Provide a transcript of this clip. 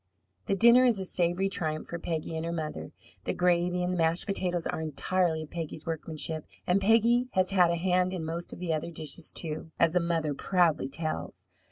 The dinner is a savoury triumph for Peggy and her mother. The gravy and the mashed potato are entirely of Peggy's workmanship, and Peggy has had a hand in most of the other dishes, too, as the mother proudly tells.